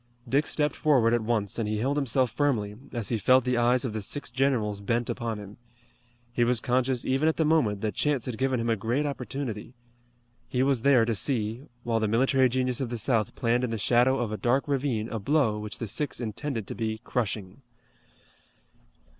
Dick stepped forward at once and he held himself firmly, as he felt the eyes of the six generals bent upon him. He was conscious even at the moment that chance had given him a great opportunity. He was there to see, while the military genius of the South planned in the shadow of a dark ravine a blow which the six intended to be crushing.